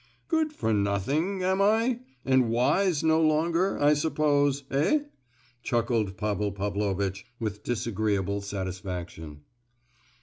"Good for nothing, am I? and wise no longer, I suppose, eh?" chuckled Pavel Pavlovitch, with disagreeable satisfaction.